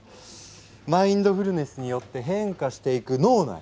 マインドフルネスによって変化していく脳内